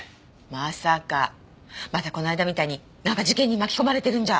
まさかまたこの間みたいになんか事件に巻き込まれてるんじゃ。